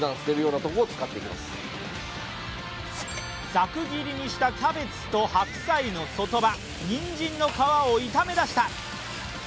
ざく切りにしたキャベツと白菜の外葉、にんじんの皮を炒め出した。